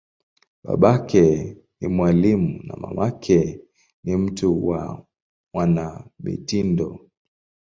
Babake ni mwalimu, na mamake ni mtu wa mwanamitindo.